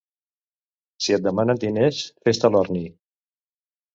Si et demanen diners, fes-te l'orni.